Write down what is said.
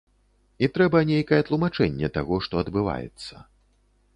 І трэба нейкае тлумачэнне таго, што адбываецца.